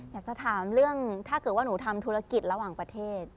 อยากจะถามเรื่องถ้าเกิดว่าหนูทำธุรกิจระหว่างประเทศ